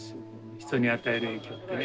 人に与える影響ってね。